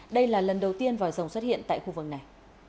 đây là lần đầu tiên vòi rồng xuất hiện tại khu vực này